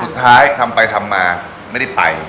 สุดท้ายทำไปทำมาไม่ได้ไป